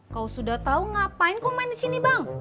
kau sudah tahu ngapain kok main di sini bang